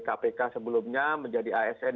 kpk sebelumnya menjadi asn